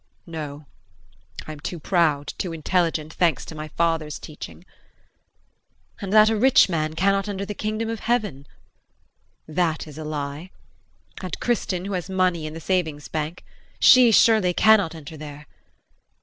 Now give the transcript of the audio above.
No, I am too proud, too intelligent, thanks to my father's teaching. And that a rich man cannot enter the Kingdom of Heaven that is a lie, and Kristin, who has money in the savings bank she surely cannot enter there.